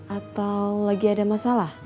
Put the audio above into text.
atau lagi ada masalah